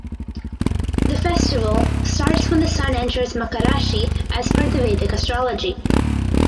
The festival starts when the sun enters Makar Rashi as per the Vedic astrology.